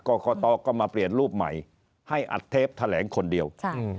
กรกตก็มาเปลี่ยนรูปใหม่ให้อัดเทปแถลงคนเดียว